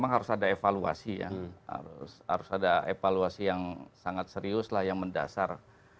harus ada evaluasi yang serius yang mendasar